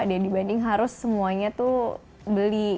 dibanding harus semuanya tuh beli